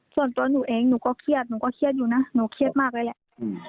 ส่วนตัวหนูเองหนูก็เครียดหนูก็เครียดอยู่นะหนูเครียดมากเลยแหละ